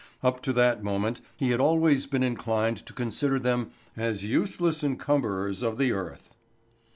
Up to that moment he had always been inclined to consider them as useless encumberers of the earth.